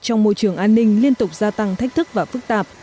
trong môi trường an ninh liên tục gia tăng thách thức và phức tạp